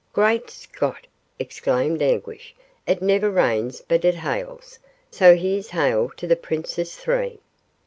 "Great Scott!" exclaimed Anguish. "It never rains but it hails, so here's hail to the princes three."